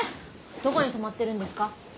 どこに泊まってるんですか？